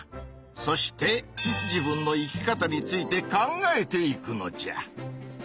そして自分の生き方について考えていくのじゃ。